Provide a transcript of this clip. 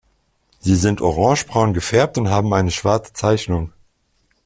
Sie sind orangebraun gefärbt und haben eine schwarze Zeichnung.